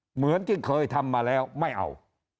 เหมือนที่เคยทำมาแล้วไม่เอา